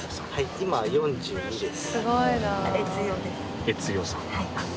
今４０です。